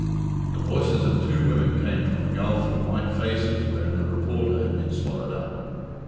The voices of two women came from the gulf of white faces wherein the reporter had been swallowed up.